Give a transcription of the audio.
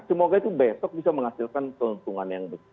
semoga itu besok bisa menghasilkan keuntungan yang besar